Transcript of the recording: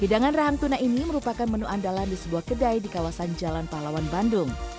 hidangan rahang tuna ini merupakan menu andalan di sebuah kedai di kawasan jalan pahlawan bandung